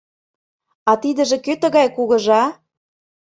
А тидыже кӧ тыгай, Кугыжа?